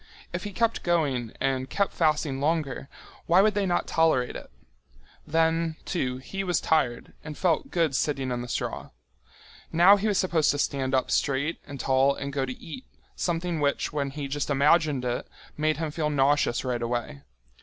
If he kept going and kept fasting longer, why would they not tolerate it? Then, too, he was tired and felt good sitting in the straw. Now he was supposed to stand up straight and tall and go to eat, something which, when he just imagined it, made him feel nauseous right away.